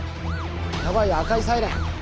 やばいよ赤いサイレン！